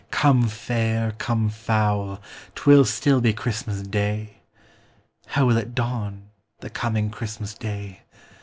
Come fair, come foul, 'twill still be Christmas day. How will it dawn, the coming Christmas day